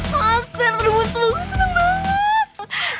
masa terbentuk seneng banget